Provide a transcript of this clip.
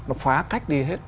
nó phá cách đi hết